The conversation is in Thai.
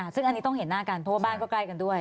ซึ่งอันนี้ต้องเห็นหน้ากันเพราะว่าบ้านก็ใกล้กันด้วย